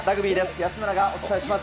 安村がお伝えします。